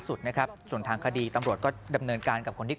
สุดนะครับส่วนทางคดีตำรวจก็ดำเนินการกับคนที่